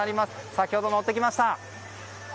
先ほど乗ってきました。